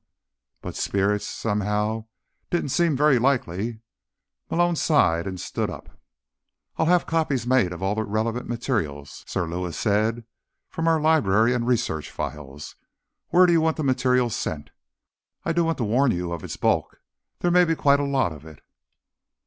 But spirits, somehow, didn't seem very likely. Malone sighed and stood up. "I'll have copies made of all the relevant material," Sir Lewis said, "from our library and research files. Where do you want the material sent? I do want to warn you of its bulk; there may be quite a lot of it."